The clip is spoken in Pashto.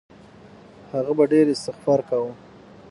هغه به ډېر استغفار کاوه.